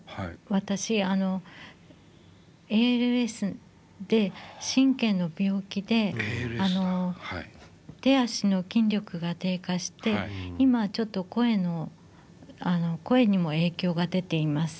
私あのＡＬＳで神経の病気であの手足の筋力が低下して今ちょっと声にも影響が出ています。